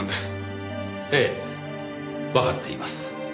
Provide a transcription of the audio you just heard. ええわかっています。